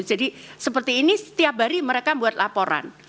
jadi seperti ini setiap hari mereka buat laporan